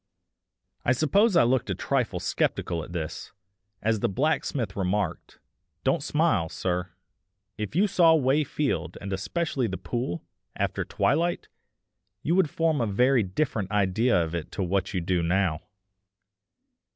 I suppose I looked a trifle sceptical at this, as the blacksmith remarked: "Don't smile, sir; if you saw Way Field, and especially the pool, after twilight, you would form a very different idea of it to what you do now.